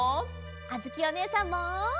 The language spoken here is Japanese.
あづきおねえさんも！